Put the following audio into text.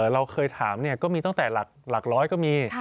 เราเคยถามก็มีตั้งแต่หลักร้อยก็มี